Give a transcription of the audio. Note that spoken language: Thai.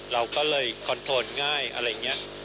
เราก็เลยคอนโทรลง่ายอะไรอย่างนี้